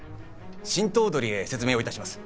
新頭取へ説明を致します。